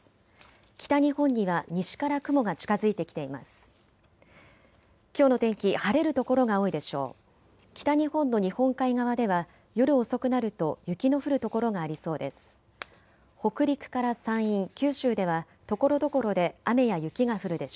北日本には西から雲が近づいてきています。